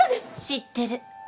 知ってる。